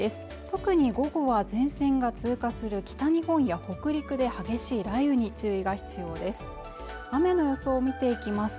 特に午後は前線が通過する北日本や北陸で激しい雷雨に注意が必要です